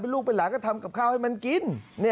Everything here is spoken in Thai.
ลูกเป็นหลานก็ทำกับข้าวให้มันกิน